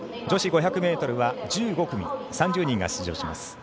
女子５００ｍは１５組３０人が出場します。